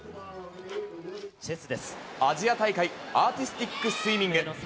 アジア大会、アーティスティックスイミング。